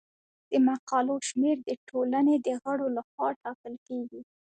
د مقالو شمیر د ټولنې د غړو لخوا ټاکل کیږي.